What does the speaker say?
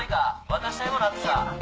渡したい物あってさ。